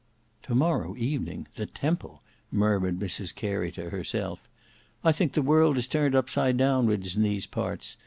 "To morrow evening! The Temple!" murmured Mrs Carey to herself. "I think the world is turned upside downwards in these parts.